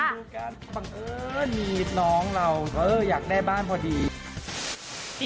ดูกันบังเอิญมีน้องเราอยากได้บ้านพอดี